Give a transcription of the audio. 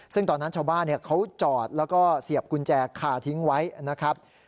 ซึ่งตอนนั้นชาวบ้านเขาจอดแล้วก็เสียบกุญแจคาทิ้งไว้นะครับ